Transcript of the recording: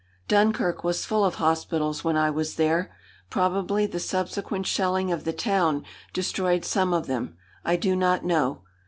Dunkirk was full of hospitals when I was there. Probably the subsequent shelling of the town destroyed some of them. I do not know.